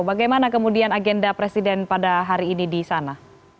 bagaimana kemudian agenda presiden pada hari ini di sana